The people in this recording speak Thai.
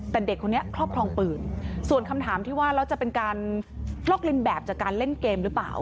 แต่เด็กคนนี้ครอบครองปืนส่วนคำถามที่ว่าแล้วจะเป็นการลอกเลียนแบบจากการเล่นเกมหรือเปล่า